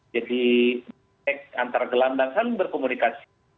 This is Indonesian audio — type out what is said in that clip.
jadi antar gelombang saling berkomunikasi